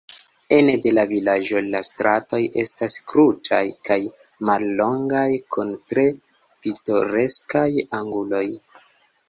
Ene de la vilaĝo la stratoj estas krutaj kaj mallongaj, kun tre pitoreskaj anguloj.